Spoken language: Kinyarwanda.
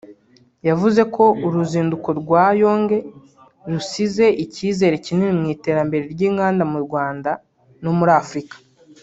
yavuze ko uru ruzinduko rwa Yong rusize icyizere kinini mu iterambere ry’inganda mu Rwanda no muri Afurika